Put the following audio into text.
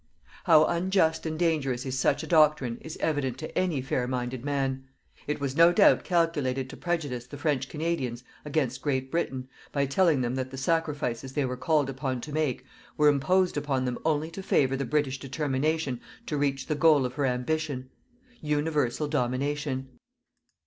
How unjust and dangerous is such a doctrine is evident to any fair minded man. It was no doubt calculated to prejudice the French Canadians against Great Britain, by telling them that the sacrifices they were called upon to make were imposed upon them only to favour the British determination to reach the goal of her ambition: universal domination.